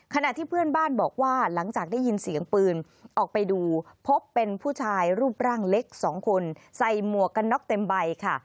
ขณะที่เพื่อนบ้านบอกว่าหลังจากได้ยินเสียงปืนออกไปดูพบเป็นผู้ชายรูปร่างเล็กสองคนใส่หมวกกันน็อกเต็มใบค่ะ